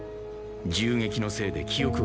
銃撃のせいで記憶をなくした。